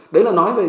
đấy là nói về